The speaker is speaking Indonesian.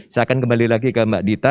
saya akan kembali lagi ke mbak dita